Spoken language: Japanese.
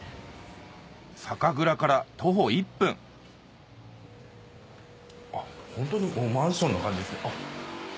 酒蔵から徒歩１分ホントにマンションな感じですねあっ。